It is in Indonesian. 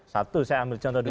satu saya ambil contoh dulu